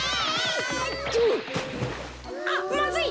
とう！あっまずい！